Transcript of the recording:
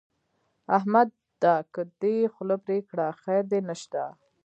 احمد ده که دې خوله پرې کړه؛ خير دې نه شته.